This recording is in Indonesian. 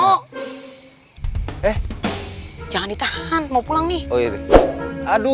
lesh eh jangan ditahan mau pulang nih biar aduh